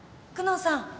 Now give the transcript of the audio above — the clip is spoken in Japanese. ・久能さん。